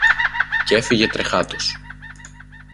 Κι έφυγε τρεχάτος.